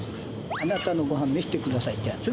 あなたのごはん、見せてくださいってやつ？